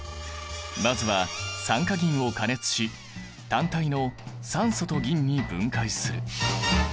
まずは酸化銀を加熱し単体の酸素と銀に分解する。